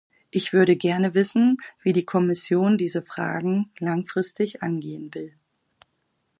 Ich würde gerne wissen, wie die Kommission diese Fragen langfristig angehen will.